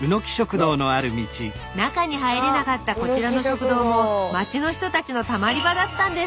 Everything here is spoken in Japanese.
中に入れなかったこちらの食堂も町の人たちのたまり場だったんです